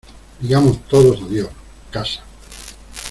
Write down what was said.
Digamos todos adiós, casa.